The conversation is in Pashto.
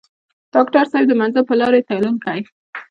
ډاکټر صېب د منزل پۀ لارې تلونکے